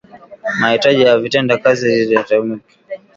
Mahitaji ya Vitendea kazi vitakavyotumika